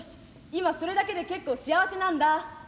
今それだけで結構幸せなんだ」。